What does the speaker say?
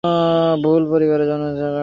তুমি আমার কাছে একটি বড় যাঞ্চা করেছ।